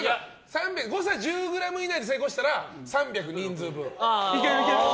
誤差１０ｇ以内で成功したら３００人数分。